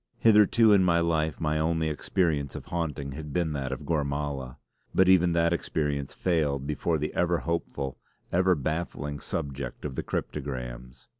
Hitherto in my life my only experience of haunting had been that of Gormala; but even that experience failed before the ever hopeful, ever baffling subject of the cryptograms.